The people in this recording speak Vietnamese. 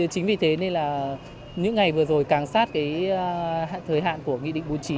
chính vì thế nên là những ngày vừa rồi càng sát cái hạn thời hạn của nghị định bốn mươi chín